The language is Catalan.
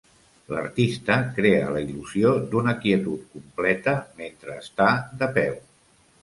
L'artista crea la il·lusió d'una quietud completa mentre està de peu.